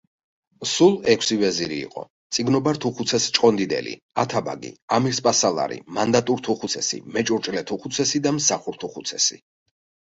სულ ექვსი ვეზირი იყო: მწიგნობართუხუცეს-ჭყონდიდელი, ათაბაგი, ამირსპასალარი, მანდატურთუხუცესი, მეჭურჭლეთუხუცესი და მსახურთუხუცესი.